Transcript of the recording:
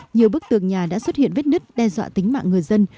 nhiều bức tường nhà đã xuất hiện vết nứt đe dọa tính mạng người dân